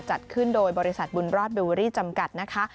จัดขึ้นโดยบริษัทบุญรอดเบเวอรี่จำกัดนะคะ